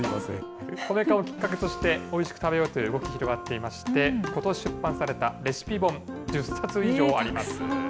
米化をきっかけとして、おいしく食べようという動き、広がっていまして、ことし出版されたレシピ本、１０冊以上あります。